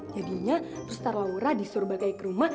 jadinya terus ntar laura disuruh balik ke rumah